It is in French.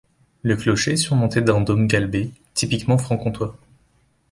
Le clocher est surmonté d'un dôme galbé typiquement franc-comtois.